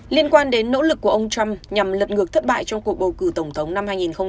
liên quan đến nỗ lực của ông trump nhằm lật ngược thất bại trong cuộc bầu cử tổng thống năm hai nghìn hai mươi